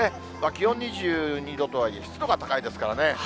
気温２２度とはいえ、湿度が高いですからね。